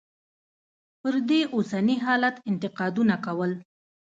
پر دې اوسني حالت انتقادونه کول.